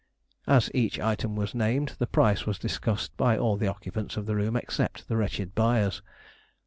As each item was named, the price was discussed by all the occupants of the room except the wretched buyers.